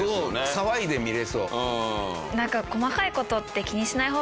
騒いで見られそう。